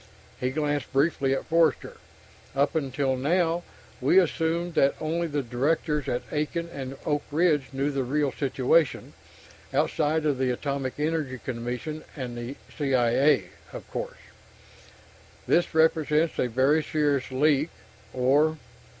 He glanced briefly at Forster. "Up until now, we assumed that only the directors at Aiken and Oak Ridge knew the real situation outside of the Atomic Energy Commission and C.I.A., of course. This represents a very serious leak or...."